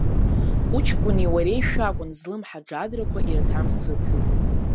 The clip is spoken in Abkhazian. Уҷкәыни уареи шәакәын злымҳа џадрақәа ирҭамсыцыз.